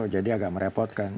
jadi agak merepotkan